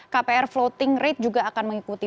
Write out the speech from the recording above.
kpr floating rate juga akan mengikuti